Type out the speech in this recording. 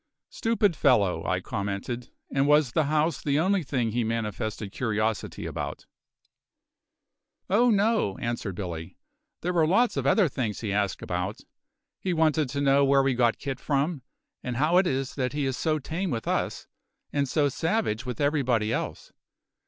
"Stupid fellow!" I commented. "And was the house the only thing he manifested curiosity about?" "Oh no," answered Billy; "there were lots of other things he asked about. He wanted to know where we got Kit from, and how it is that he is so tame with us, and so savage with everybody else.